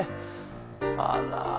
あら。